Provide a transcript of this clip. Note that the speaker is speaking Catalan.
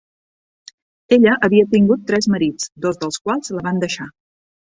Ella havia tingut tres marits, dos dels quals la van deixar.